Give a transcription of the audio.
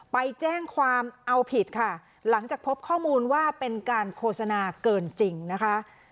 ไปแจ้งความเอาผิดค่ะหลังจากพบข้อมูลว่าเป็นการโฆษณาเกินจริงนะคะ